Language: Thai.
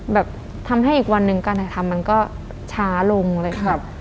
แบบทำให้อีกวันหนึ่งการถ่ายทำมันก็ช้าลงเลยครับ